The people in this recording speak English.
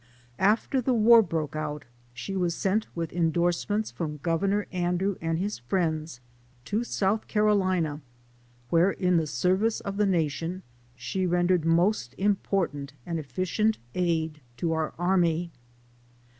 After the war broke out, she was sent with indorse ments from Governor Andrew and his friends to South Carolina, where in the service of the Nation she rendered most important and efficient aid to our army.